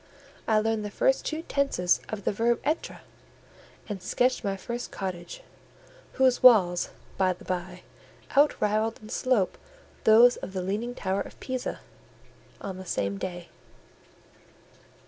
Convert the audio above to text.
I learned the first two tenses of the verb Etre, and sketched my first cottage (whose walls, by the bye, outrivalled in slope those of the leaning tower of Pisa), on the same day.